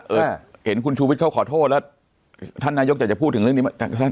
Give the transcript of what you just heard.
เห็นคุณชูวิทย์เขาขอโทษแล้วท่านนายกอยากจะพูดถึงเรื่องนี้